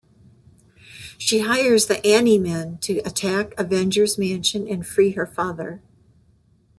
She hires the Ani-Men to attack Avengers Mansion and free her father.